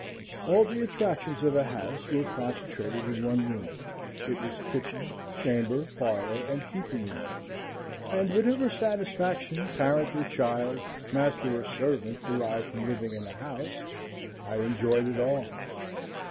All the attractions of a house were concentrated in one room; it was kitchen, chamber, parlor, and keeping room; and whatever satisfaction parent or child, master or servant, derive from living in a house, I enjoyed it all.